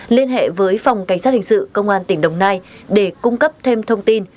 liên hệ với phòng cảnh sát hình sự công an tỉnh đồng nai để cung cấp thêm thông tin